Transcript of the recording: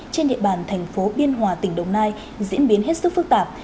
trên địa bàn thành phố biên hòa tỉnh đồng nai diễn biến hết sức phức tạp